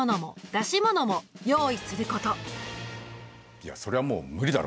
いやそりゃもう無理だろ。